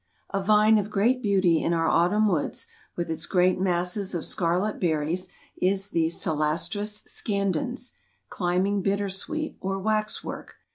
II. A vine of great beauty in our autumn woods, with its great masses of scarlet berries, is the Celastrus scandens—Climbing Bittersweet or Wax work.